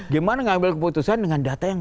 gimana ngambil keputusan dengan data yang